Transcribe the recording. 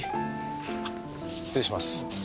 あっ失礼します。